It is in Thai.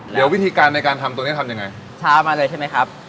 เดี๋ยววิธีการในการทำตรงนี้ทำยังไงช้ามาเลยใช่ไหมครับ